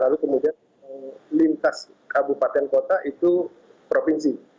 lalu kemudian lintas kabupaten kota itu provinsi